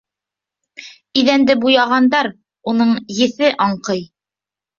Иҙәнде буяғандар, уның эҫе аңҡый.